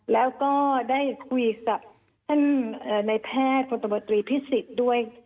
แล้วก็ได้คุยกับท่านในแพทย์พลตบตรีพิสิทธิ์ด้วย